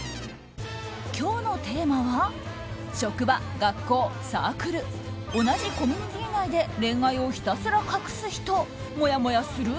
今日のテーマは職場、学校、サークル同じコミュニティー内で恋愛をひたすら隠す人もやもやする？